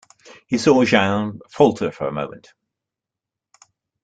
He saw Jeanne falter for a moment.